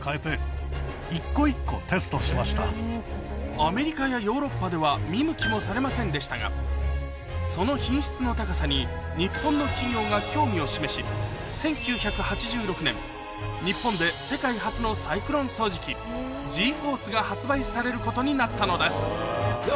アメリカやヨーロッパでは見向きもされませんでしたがその品質の高さに日本の企業が興味を示し１９８６年日本で世界初のされることになったのですでは